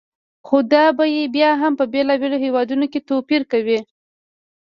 خو دا بیې بیا هم بېلابېلو هېوادونو کې توپیر کوي.